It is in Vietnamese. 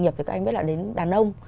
nghiệp thì các anh biết là đến đàn ông